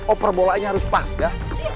oper bolanya harus pak ya